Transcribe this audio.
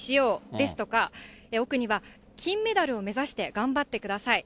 ですとか、奥には金メダルを目指して頑張ってください。